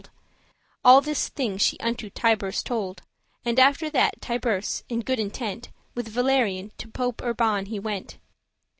* *wretched <12> All this thing she unto Tiburce told, And after that Tiburce, in good intent, With Valerian to Pope Urban he went.